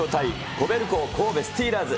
コベルコ神戸スティーラーズ。